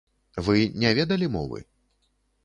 Вы не ведалі мовы?